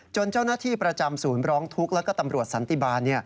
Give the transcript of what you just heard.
เจ้าหน้าที่ประจำศูนย์ร้องทุกข์แล้วก็ตำรวจสันติบาล